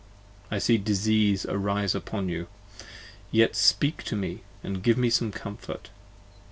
I see Disease arise upon you! yet speak to me and give Me some comfort!